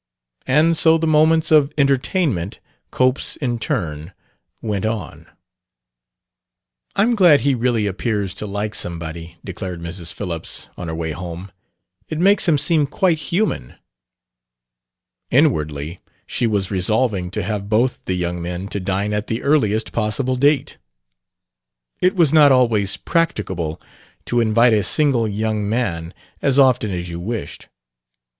And so the moments of "entertainment" Cope's in turn went on. "I'm glad he really appears to like somebody," declared Mrs. Phillips, on the way home; "it makes him seem quite human." Inwardly, she was resolving to have both the young men to dine at the earliest possible date. It was not always practicable to invite a single young man as often as you wished.